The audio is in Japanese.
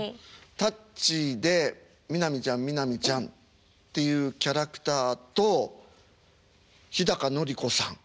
「タッチ」で南ちゃん南ちゃんっていうキャラクターと日のり子さん。